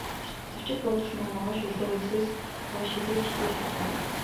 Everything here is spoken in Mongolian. Зочид буудалд маань маргааш өглөө есөөс хойш хэзээ ч ирж болно.